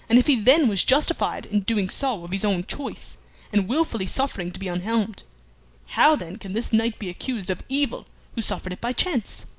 If he then was justified in doing so of his own choice, and wilfully suffering to be unhelmed, how then can this knight be accused of evil who suffered it by chance?"